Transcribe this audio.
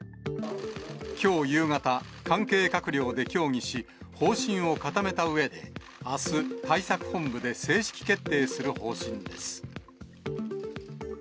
きょう夕方、関係閣僚で協議し、方針を固めたうえで、あす、対策本部で正式決定する方針です。